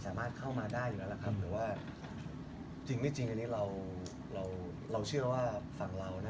จริงผมว่ามันเป็นเรื่องปกตินะ